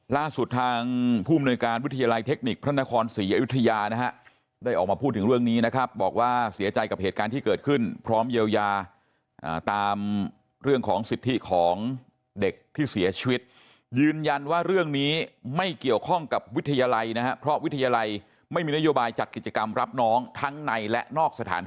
ล่าสุดทางผู้มนุยการวิทยาลัยเทคนิคพระนครศรีอยุธยานะฮะได้ออกมาพูดถึงเรื่องนี้นะครับบอกว่าเสียใจกับเหตุการณ์ที่เกิดขึ้นพร้อมเยียวยาตามเรื่องของสิทธิของเด็กที่เสียชีวิตยืนยันว่าเรื่องนี้ไม่เกี่ยวข้องกับวิทยาลัยนะครับเพราะวิทยาลัยไม่มีนโยบายจัดกิจกรรมรับน้องทั้งในและนอกสถาน